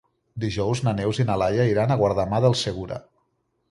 Dijous na Neus i na Laia iran a Guardamar del Segura.